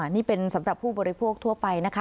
นี่เป็นสำหรับผู้บริโภคทั่วไปนะคะ